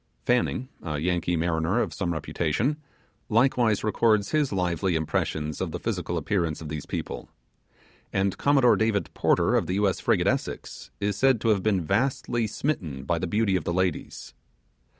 Fanning, a Yankee mariner of some reputation, likewise records his lively impressions of the physical appearance of these people; and Commodore David Porter of the U.S. frigate Essex, is said to have been vastly smitten by the beauty of the ladies.